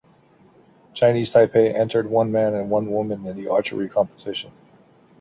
Chinese Taipei entered one man and one woman in the archery competition.